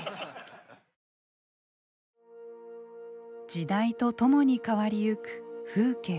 時代と共に変わりゆく風景。